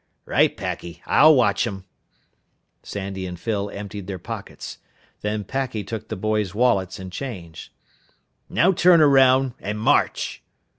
"Right, Packy! I'll watch 'em!" Sandy and Phyl emptied their pockets. Then Packy took the boys' wallets and change. "Now turn around and march!"